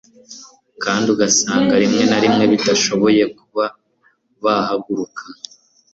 kandi ugasanga rimwe na rimwe badashoboye kuba bahaguruka